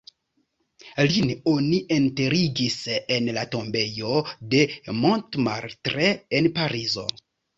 Lin oni enterigis en la tombejo de Montmartre en Parizo.